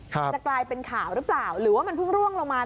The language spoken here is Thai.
จะกลายเป็นข่าวหรือเปล่าหรือว่ามันเพิ่งร่วงลงมา